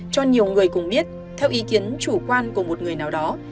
cho nhiều người cùng biết theo ý kiến chủ quan của một người nào đó